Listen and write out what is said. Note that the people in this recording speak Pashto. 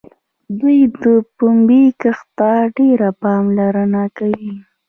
دوی د پنبې کښت ته ډېره پاملرنه کوي.